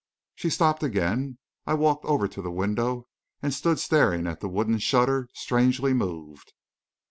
She stopped again. I walked over to the window and stood staring at the wooden shutter, strangely moved.